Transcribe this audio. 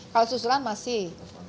kalau susulan masih